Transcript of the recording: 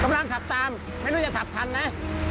กำลังขับตามไม่รู้จะขับทันไหม